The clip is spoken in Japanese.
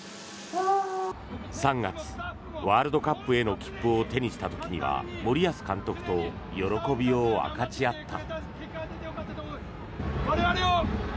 ３月、ワールドカップへの切符を手にした時には森保監督と喜びを分かち合った。